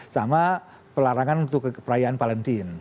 sama pelarangan untuk keperayaan valentin